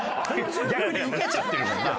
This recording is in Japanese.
逆にウケちゃってるもんな。